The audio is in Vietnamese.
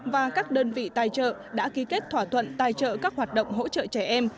và các đơn vị tài trợ đã ký kết thỏa thuận tài trợ các hoạt động hỗ trợ trẻ em